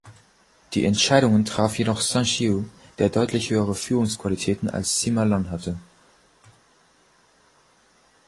Die Entscheidungen traf jedoch Sun Xiu, der deutlich höhere Führungsqualitäten als Sima Lun hatte.